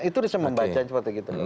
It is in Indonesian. itu bisa membaca seperti itu